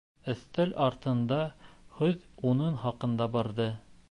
Өҫтәл артында һүҙ уның хаҡында барҙы.